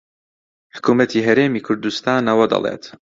حکوومەتی هەرێمی کوردستان ئەوە دەڵێت